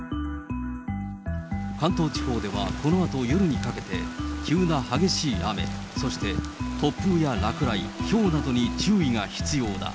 関東地方ではこのあと夜にかけて、急な激しい雨、そして突風や落雷、ひょうなどに注意が必要だ。